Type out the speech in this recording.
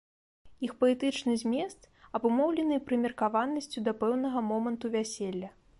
Іх паэтычны змест абумоўлены прымеркаванасцю да пэўнага моманту вяселля.